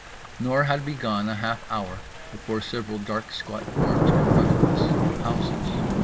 Nor had we gone a half hour before several dark squat forms confronted us: houses.